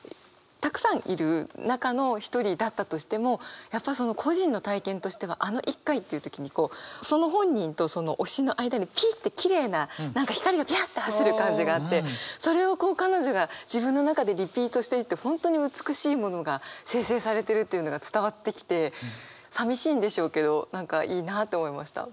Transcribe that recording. たくさんいる中の一人だったとしてもやっぱ個人の体験としてはあの１回っていう時にその本人と推しの間にピッてきれいな何か光がびゃって走る感じがあってそれをこう彼女が自分の中でリピートしていて本当に美しいものが生成されてるっていうのが伝わってきてさみしいんでしょうけど何かいいなあと思いました。